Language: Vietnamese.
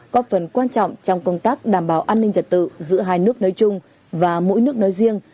có phần quan trọng trong công tác đảm bảo an ninh trật tự giữa hai nước nói chung và mỗi nước nói riêng